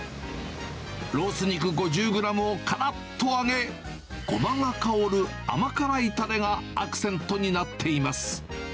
ロース肉５０グラムをからっと揚げ、ごまが香る甘辛いたれがアクセントになっています。